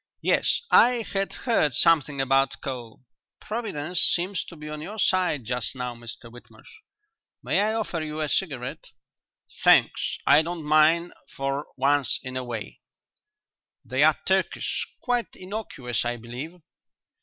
Yes, I had heard something about coal. Providence seems to be on your side just now, Mr Whitmarsh. May I offer you a cigarette?" "Thanks, I don't mind for once in a way." "They're Turkish; quite innocuous, I believe."